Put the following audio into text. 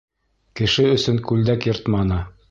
Кеше өсөн күлдәк йыртманы.